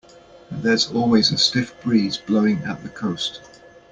There's always a stiff breeze blowing at the coast.